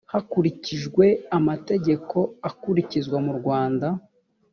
hakurikijwe amategeko akurikizwa mu rwanda